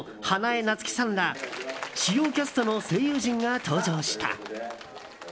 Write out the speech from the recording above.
夏樹さんら主要キャストの声優陣が登場した。